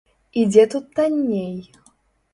І дзе тут танней?